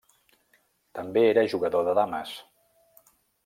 També era jugador de dames.